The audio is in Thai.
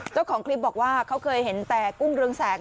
เจ้าของคลิปบอกว่าเขาเคยเห็นแต่กุ้งเรืองแสง